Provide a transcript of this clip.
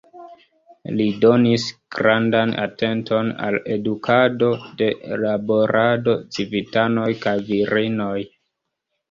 Li donis grandan atenton al edukado de laborado, civitanoj kaj virinoj.